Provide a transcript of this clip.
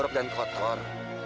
curup dan kotor